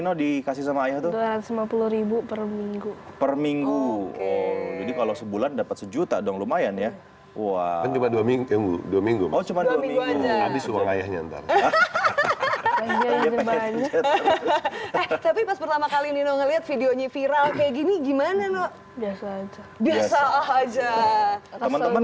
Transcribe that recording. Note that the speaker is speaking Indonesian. tapi pas pertama kali nino ngelihat videonya viral kayak gini gimana nuk biasa aja teman teman